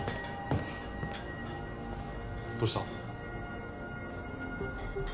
どうした？